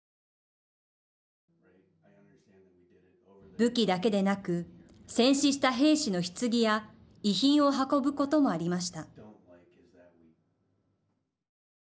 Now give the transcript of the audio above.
武器だけでなく戦死した兵士のひつぎや遺品を運ぶこともありました。